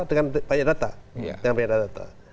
dengan banyak data